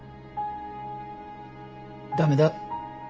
駄目だ。